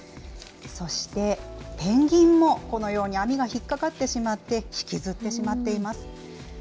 そして、ペンギンもこのように網が引っ掛かってしまって、引きずってしまっています。